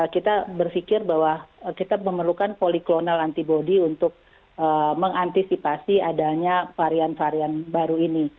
kita berpikir bahwa kita memerlukan poliklonal antibody untuk mengantisipasi adanya varian varian baru ini